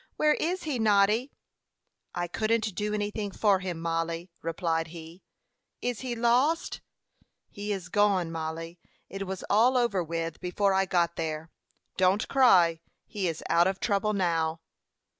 "Where is he, Noddy?" "I couldn't do anything for him, Mollie," replied he. "Is he lost?" "He is gone, Mollie; and it was all over with him before I got there. Don't cry. He is out of trouble now."